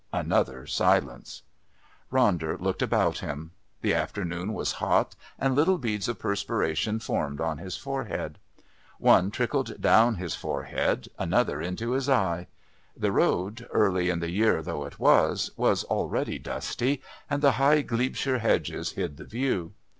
Another silence. Ronder looked about him; the afternoon was hot, and little beads of perspiration formed on his forehead. One trickled down his forehead, another into his eye. The road, early in the year though it was, was already dusty, and the high Glebeshire hedges hid the view.